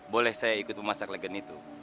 boleh saya ikut memasak legen itu